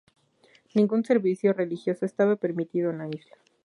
Ningún servicio religioso estaba permitido en la isla.